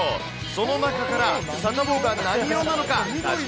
その中から、サタボーが何色なのはい。